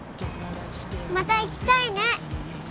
また行きたいね